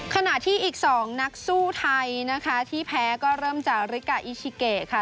ขณะที่อีก๒นักสู้ไทยนะคะที่แพ้ก็เริ่มจากริกาอิชิเกค่ะ